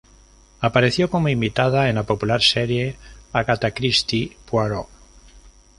Apareció como invitada en la popular serie Agatha Christie's Poirot.